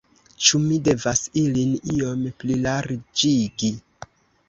Ĉu mi devas ilin iom plilarĝigi?